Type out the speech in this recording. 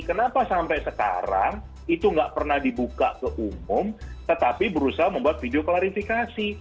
kenapa sampai sekarang itu nggak pernah dibuka ke umum tetapi berusaha membuat video klarifikasi